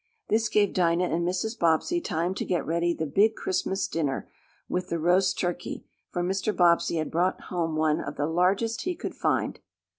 This gave Dinah and Mrs. Bobbsey time to get ready the big Christmas dinner, with the roast turkey, for Mr. Bobbsey had brought home one of the largest he could find.